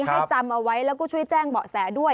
ให้จำเอาไว้แล้วก็ช่วยแจ้งเบาะแสด้วย